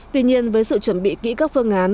tuy nhiên với sự chuẩn bị kỹ các phương án